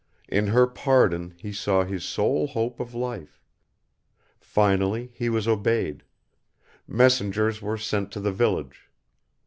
In her pardon he saw his sole hope of life. Finally, he was obeyed. Messengers were sent to the village.